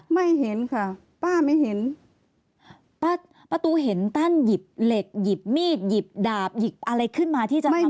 ไม่เห็นค่ะป้าไม่เห็นป้าประตูเห็นตั้นหยิบเหล็กหยิบมีดหยิบดาบหยิบอะไรขึ้นมาที่จะทำ